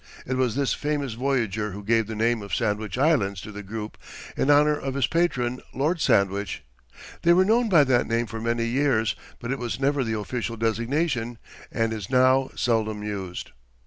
It was this famous voyager who gave the name of Sandwich Islands to the group, in honour of his patron, Lord Sandwich. They were known by that name for many years, but it was never the official designation, and is now seldom used.